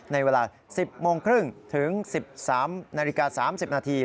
ในเวลา๑๐โมงครึ่งถึง๑๓นาฬิกา๓๐นาที